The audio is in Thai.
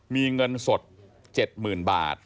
มีเงินสด๗หมื่นบาท